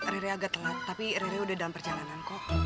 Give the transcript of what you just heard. rere agak telat tapi rere udah dalam perjalanan kok